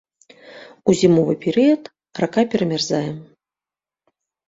У зімовы перыяд рака перамярзае.